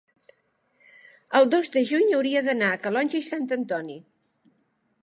el dos de juny hauria d'anar a Calonge i Sant Antoni.